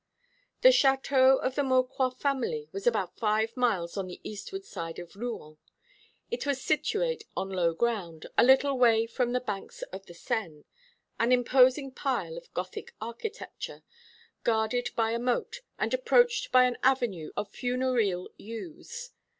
The château of the Maucroix family was about five miles on the eastward side of Rouen. It was situate on low ground, a little way from the banks of the Seine an imposing pile of Gothic architecture, guarded by a moat, and approached by an avenue of funereal yews.